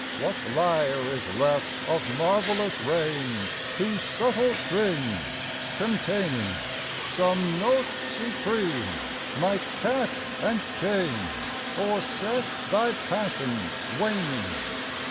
"What lyre is left of marvellous range, whose subtle strings, containing Some note supreme, might catch and change, or set thy passion waning?